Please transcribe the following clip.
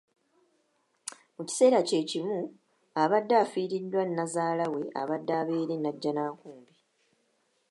Mu kiseera kye kimu abadde yafiiriddwa Nnazaala we abadde abeera e Nnajjanakumbi.